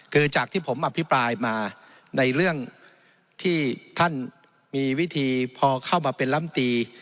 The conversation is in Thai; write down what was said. คือจากที่ผมอภิปรายมาในเรื่องที่ท่านมีวิธีพอเข้ามาเป็นลำตี